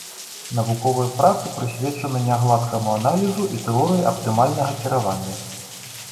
Навуковыя працы прысвечаны нягладкаму аналізу і тэорыі аптымальнага кіравання.